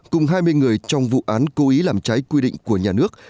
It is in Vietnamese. cùng hai mươi người trong vụ án cố ý làm trái quy định của nhà nước